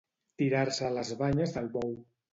Tirar-se a les banyes del bou.